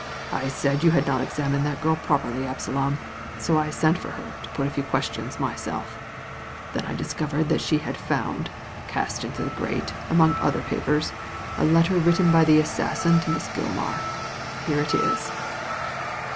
I said you had not examined that girl properly, Absalom, so I sent for her to put a few questions myself Then I discovered that she had found, cast into the grate among other papers, a letter written by the assassin to Miss Gilmar. Here it is."